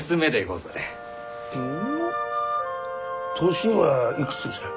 年はいくつじゃ？